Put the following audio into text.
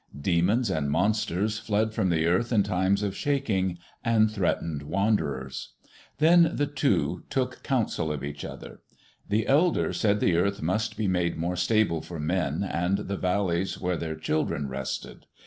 Demons and monsters fled from the earth in times of shaking, and threatened wanderers. Then the Two took counsel of each other. The Elder said the earth must be made more stable for men and the valleys where their children rested.